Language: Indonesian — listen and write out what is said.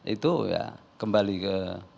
itu ya kembali ke